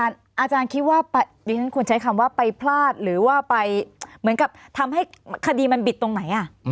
อาจารย์คิดว่าดิฉันควรใช้คำว่าไปพลาดหรือว่าไปเหมือนกับทำให้คดีมันบิดตรงไหน